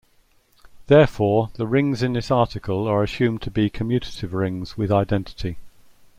Therefore, the rings in this article are assumed to be commutative rings with identity.